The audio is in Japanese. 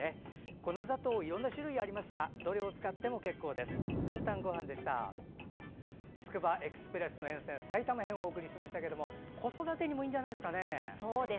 粉砂糖はいろいろな種類があるんですがどれを使っても結構です。